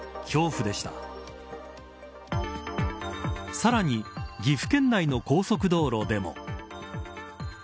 さらに岐阜県内の高速道路でも。